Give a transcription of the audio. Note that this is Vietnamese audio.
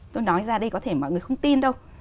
tôi nói ra đây có thể mọi người không tin đâu